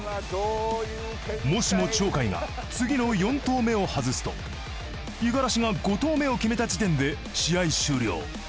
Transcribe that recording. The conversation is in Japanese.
もしも鳥海が次の４投目を外すと五十嵐が５投目を決めた時点で試合終了。